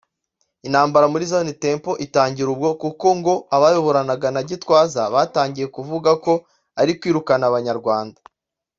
intambara muri Zion Temple itangira ubwo kuko ngo abayoboranaga na Gitwaza batangiye kuvuga ko ari kwirukana abanyarwanda